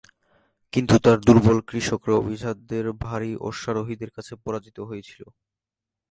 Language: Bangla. কিন্তু, তার দুর্বল কৃষকরা অভিজাতদের ভারী অশ্বারোহীদের কাছে পরাজিত হয়েছিল।